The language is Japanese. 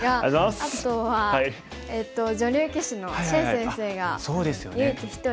あとは女流棋士の謝先生が唯一一人。